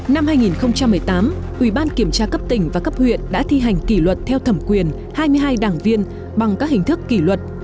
năm hai nghìn một mươi tám ủy ban kiểm tra cấp tỉnh và cấp huyện đã thi hành kỷ luật theo thẩm quyền hai mươi hai đảng viên bằng các hình thức kỷ luật